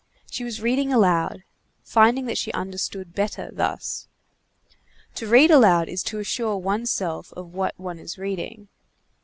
She was reading aloud, finding that she understood better thus. To read aloud is to assure one's self of what one is reading.